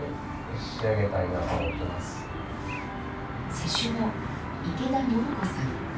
施主の池田暢子さん。